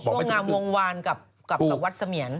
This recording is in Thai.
วงงามวงวานกับวัดเสมียน